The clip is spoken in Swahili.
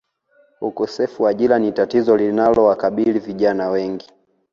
Ukosefu wa ajira ni tatizo linalowakabili vijana wengi